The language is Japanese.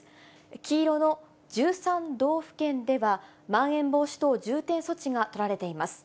黄色の１３道府県では、まん延防止等重点措置が取られています。